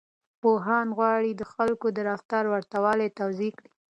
پوهان غواړي د خلکو د رفتار ورته والی توضيح کړي.